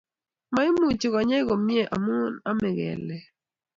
maimuchi konyei komie mamu amei kelek